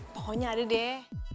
pokoknya ada deh